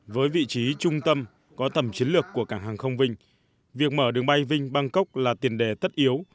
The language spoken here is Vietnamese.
với vị trí trung tâm có tầm chiến lược của cảng hàng không vinh việc mở đường bay vinh bangkok là tiền đề tất yếu